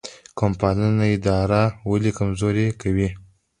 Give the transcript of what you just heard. قوم پالنه اداره ولې کمزورې کوي؟